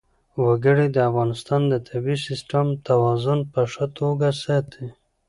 وګړي د افغانستان د طبعي سیسټم توازن په ښه توګه ساتي.